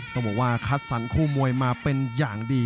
ต้องบอกว่าคัดสรรคู่มวยมาเป็นอย่างดี